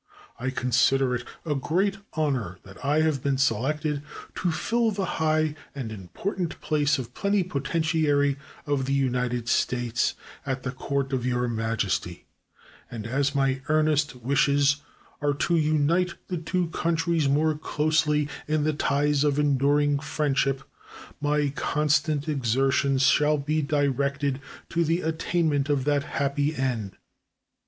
I consider it a great honor that I have been selected to fill the high and important place of Plenipotentiary of the United States at the court of your Majesty, and as my earnest wishes are to unite the two countries more closely in the ties of enduring friendship, my constant exertions shall be directed to the attainment of that happy end."